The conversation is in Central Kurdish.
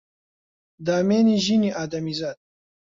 دامێنی ژینی ئادەمیزاد